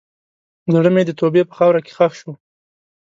زړه مې د توبې په خاوره کې ښخ شو.